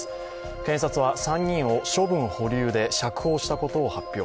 検察は３人を処分保留で釈放したことを発表。